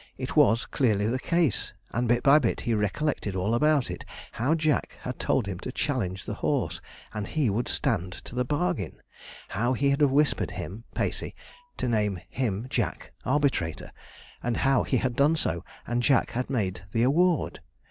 It was clearly the case, and bit by bit he recollected all about it. How Jack had told him to challenge the horse, and he would stand to the bargain; how he had whispered him (Pacey) to name him (Jack) arbitrator; and how he had done so, and Jack had made the award.